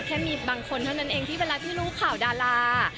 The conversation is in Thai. แค่มีบางคนเท่านั้นเองที่เวลาที่รู้ข่าวดารา